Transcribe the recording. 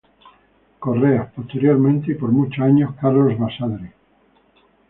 Correa, posteriormente, y por muchos años, Carlos Basadre.